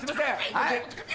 はい？